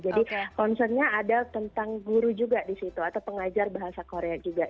jadi concernnya ada tentang guru juga di situ atau pengajar bahasa korea juga